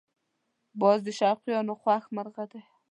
باز د شوقیانو خوښ مرغه دی